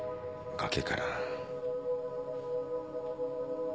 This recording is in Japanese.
崖から。